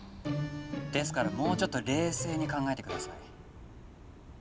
ですからもうちょっと冷静に考えて下さい。